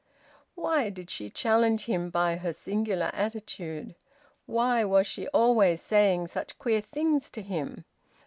Why did she challenge him by her singular attitude? Why was she always saying such queer things to him?